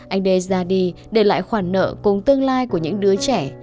anh đê ra đi để lại khoản nợ cùng tương lai của những đứa trẻ